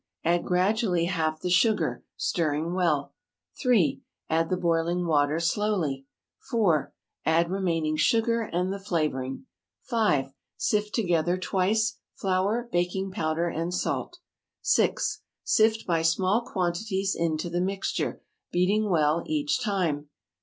Add gradually half the sugar, stirring well. 3. Add the boiling water slowly. 4. Add remaining sugar, and the flavoring. 5. Sift together twice flour, baking powder and salt. 6. Sift by small quantities into the mixture, beating well each time.